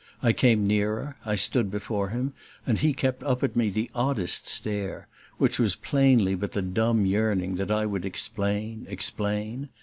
I came nearer, I stood before him; and he kept up at me the oddest stare which was plainly but the dumb yearning that I would explain, explain!